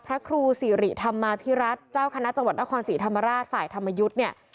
พระครูสิริธรรมาภิรัตน์เจ้าคณะจังหวัดนครศรีธรรมราชฝ่ายธรรมยุทธ์เนี่ย